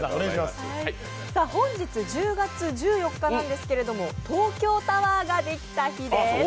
本日１０月１４日なんですけど、東京タワーができた日です。